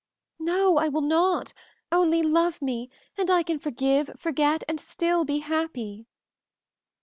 "No, I will not! Only love me, and I can forgive, forget, and still be happy!"